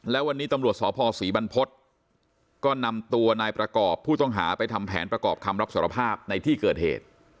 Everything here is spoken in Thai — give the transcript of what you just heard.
แล้ววันนี้ตำรวจสพศรีบรรพฤษก็นำตัวนายประกอบผู้ต้องหาไปทำแผนประกอบคำรับสารภาพในที่เกิดเหตุ